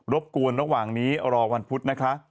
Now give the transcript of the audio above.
บกวนระหว่างนี้รอวันพุธนะคะ